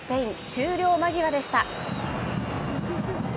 終了間際でした。